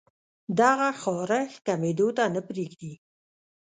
دغه خارښ کمېدو ته نۀ پرېږدي